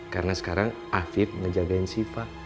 karena sekarang afif ngejagain sifat